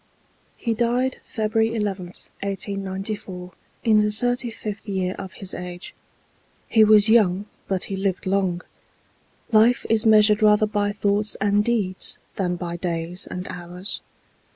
He died February 11th, 1894, in the thirty fifth year of his age. He was young, but he lived long. Life is measured rather by thoughts and deeds than by days and hours.